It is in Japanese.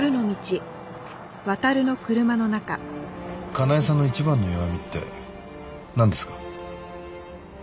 かなえさんの一番の弱みってなんですか？